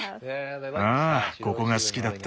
ああここが好きだった。